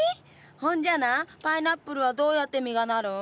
ほんじゃなあパイナップルはどうやって実がなるん？